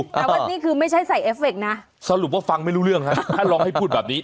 แต่ว่านี่คือไม่ใช่ใส่เอฟเฟคนะสรุปว่าฟังไม่รู้เรื่องฮะถ้าลองให้พูดแบบนี้